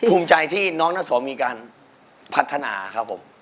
ภูมิใจที่น้องนาโสมีการพัฒนาครับผม